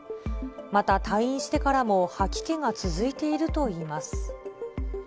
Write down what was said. また、退院してからも吐き気が続いているといいます。